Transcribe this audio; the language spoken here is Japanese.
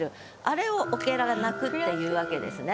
あれを「おけらが鳴く」っていうわけですね。